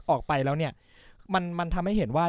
ออกไปแล้วเนี่ยมันทำให้เห็นว่า